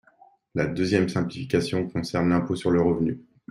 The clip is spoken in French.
La deuxième simplification concerne l’impôt sur le revenu.